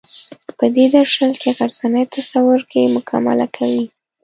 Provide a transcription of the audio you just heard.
په دې درشل کې غرڅنۍ تصور کې مکالمه کوي.